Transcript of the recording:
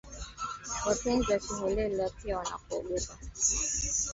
Wapenzi wa kiholela, pia wanakuogopa,